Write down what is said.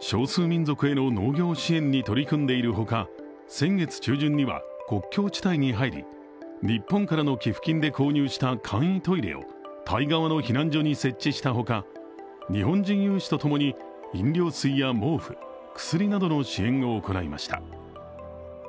少数民族への農業支援に取り組んでいる他、先月中旬には国境地帯に入り日本からの寄付金で購入した簡易トイレをタイ側の避難所に設置したほか、日本人有志とともに飲料水や毛布、薬などの支援を行いました。